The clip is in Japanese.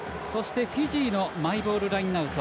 フィジーのマイボールラインアウト。